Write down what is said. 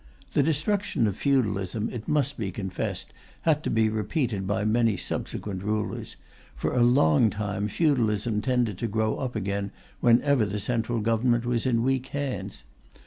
The destruction of feudalism, it must be confessed, had to be repeated by many subsequent rulers; for a long time, feudalism tended to grow up again whenever the Central Government was in weak hands.